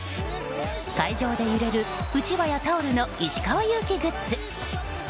会場で揺れる、うちわやタオルの石川祐希グッズ。